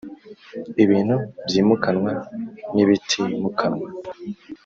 Ibintu byimukanwa n ibitimukanwa